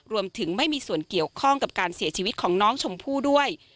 รวมถึงไม่มีส่วนเกี่ยวข้องกับการเสียชีวิตของน้องชมพู่ด้วย